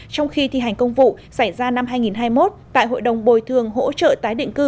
trong khi thi hành công vụ xảy ra năm hai nghìn hai mươi một tại hội đồng bồi thường hỗ trợ tái định cư